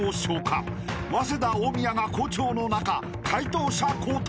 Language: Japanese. ［早稲田大宮が好調の中解答者交代］